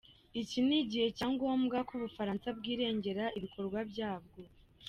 iki ni igihe cya ngombwa ko Ubufaransa bwirengera ibikorwa byabwo.